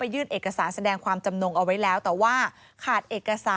โปรดติดตามต่างกรรมโปรดติดตามต่างกรรม